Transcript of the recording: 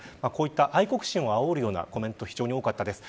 こうやって愛国心をあおるようなコメントが非常に多かったです。